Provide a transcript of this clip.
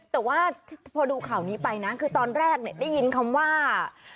แต่ว่าพอดูข่าวนี้ไปนะคือตอนแรกได้ยินคำว่า